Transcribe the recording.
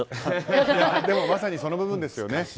でもまさにその部分ですよね。